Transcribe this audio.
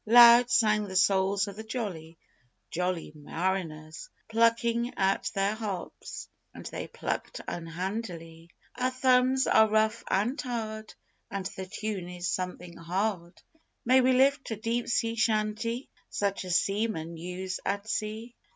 Loud sang the souls of the jolly, jolly mariners, Plucking at their harps, and they plucked unhandily: "Our thumbs are rough and tarred, And the tune is something hard May we lift a Deep sea Chantey such as seamen use at sea?"